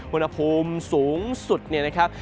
มรุมภูมิสูงสุดนะครับ